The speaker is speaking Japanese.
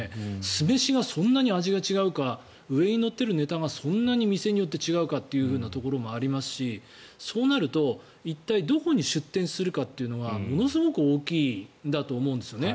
酢飯がそんなに味が違うか上に乗っているネタがそんなに店によって違うかというところもありますしそうなると、一体どこに出店するかってことはものすごく大きいと思うんですよね。